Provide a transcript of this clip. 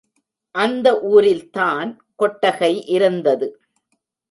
அந்த ஊரில்தான் கொட்டகை இருந்தது.